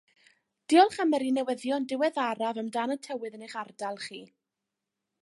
Diolch am yrru newyddion diweddaraf amdan y tywydd yn eich ardal chi